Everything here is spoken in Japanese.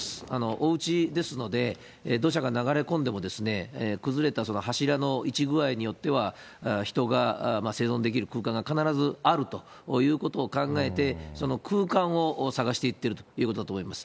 おうちですので、土砂が流れ込んでもですね、崩れたその柱の位置具合によっては、人が生存できる空間が必ずあるということを考えて、その空間を捜していっているということだと思います。